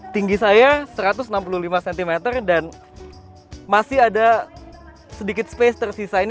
tinggi saya satu ratus enam puluh lima cm dan masih ada sedikit space tersisa ini